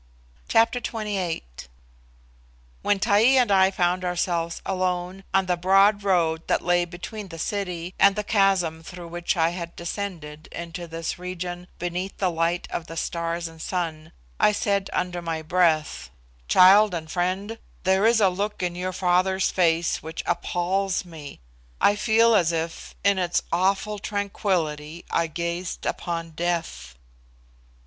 Chapter XXVIII. When Taee and I found ourselves alone on the broad road that lay between the city and the chasm through which I had descended into this region beneath the light of the stars and sun, I said under my breath, "Child and friend, there is a look in your father's face which appals me. I feel as if, in its awful tranquillity, I gazed upon death."